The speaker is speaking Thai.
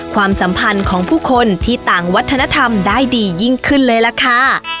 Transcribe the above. ความสัมพันธ์ของผู้คนที่ต่างวัฒนธรรมได้ดียิ่งขึ้นเลยล่ะค่ะ